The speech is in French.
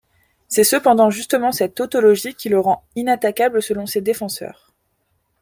C'est cependant justement cette tautologie qui le rend inattaquable selon ses défenseurs.